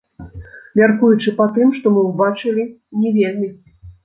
Мяркуючы па тым, што мы ўбачылі, не вельмі.